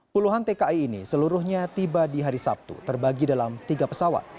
puluhan tki ini seluruhnya tiba di hari sabtu terbagi dalam tiga pesawat